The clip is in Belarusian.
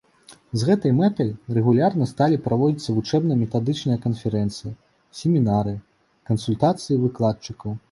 З гэтай мэтай рэгулярна сталі праводзіцца вучэбна-метадычныя канферэнцыі, семінары, кансультацыі выкладчыкаў.